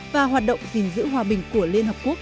và hoạt động gìn giữ hòa bình của liên hợp quốc